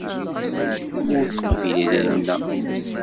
Ur teqbil idrimen-a.